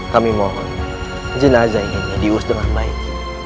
kami mohon jenazah ini diurus dengan baik